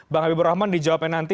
bang habibur rahman dijawabnya nanti